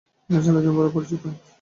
তিনি সালাদিন বলে পরিচিত।